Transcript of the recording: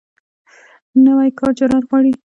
نوی کار جرئت غواړي